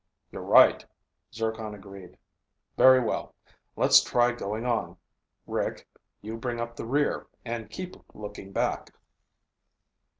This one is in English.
"You're right," Zircon agreed. "Very well. Let's try going on. Rick, you bring up the rear, and keep looking back."